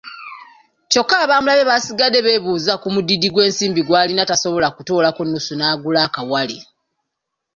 Kyoka abaamulabye baasigade beebuuza ku mudidi gw'ensimbi gw'alina tasobola kutoolako nnusu lukumi n'agula akawale!